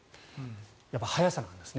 やっぱり速さなんですね